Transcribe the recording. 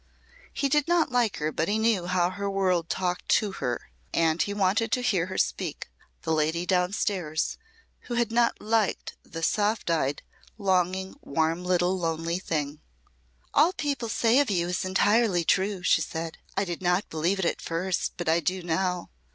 He did not like her but he knew how her world talked to her. And he wanted to hear her speak The Lady Downstairs who had not "liked" the soft eyed, longing, warm little lonely thing. "All people say of you is entirely true," she said. "I did not believe it at first but I do now."